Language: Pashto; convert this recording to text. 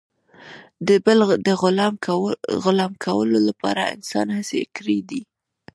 د بل د غلام کولو لپاره انسان هڅې کړي دي.